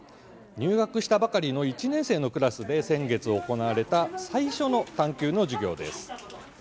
入学したばかりの１年生のクラスで先月行われた最初の「探究」の授業です。